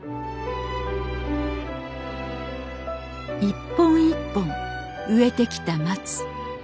一本一本植えてきた松。